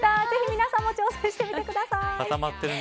ぜひ皆さんも挑戦してみてください。